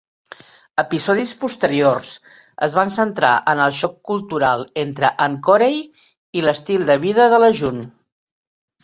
Episodis posteriors es van centrar en el xoc cultural entre en Corey i l'estil de vida de la June.